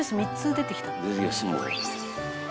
「出てきましたもう」